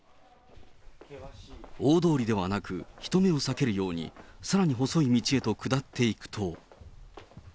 大通りではなく、人目を避けるようにさらに細い道へと下っていくと。